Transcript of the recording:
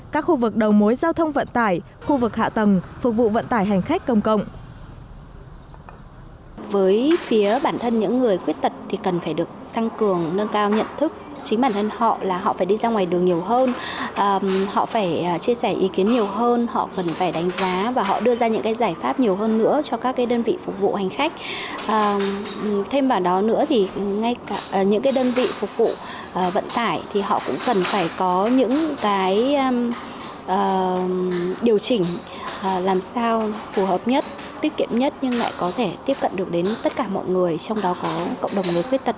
các khu vực đầu mối giao thông vận tải khu vực hạ tầng phục vụ vận tải hành khách công cộng